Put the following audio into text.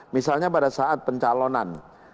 misalnya pada saat pencalonan